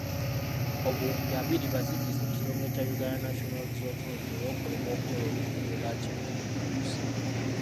Obuwumbi abiri baziddize ekitongole kya Uganda National Roads Authority, olw'okulemwa okukola oluguudo lwa Kyetume–Katosi.